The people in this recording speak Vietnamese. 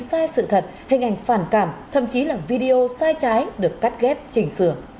sai sự thật hình ảnh phản cảm thậm chí là video sai trái được cắt ghép chỉnh sửa